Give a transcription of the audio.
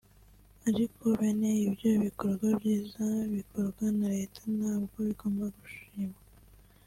ariko bene ibyo bikorwa byiza bikorwa na Leta nabyo bigomba gushimwa